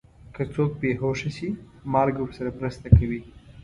که څوک بې هوښه شي، مالګه ورسره مرسته کوي.